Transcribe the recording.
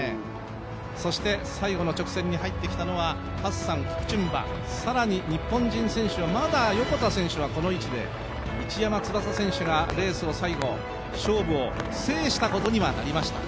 そして最後の直線に入ってきたのはハッサン、キプチュンバ、更に日本人選手、まだ横田選手はこの位置で市山翼選手が最後勝負を制したことにはなりました。